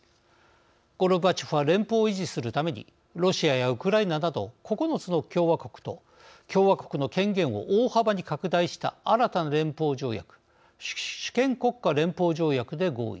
ゴルバチョフは連邦を維持するためにロシアやウクライナなど９つの共和国と共和国の権限を大幅に拡大した新たな連邦条約主権国家連邦条約で合意。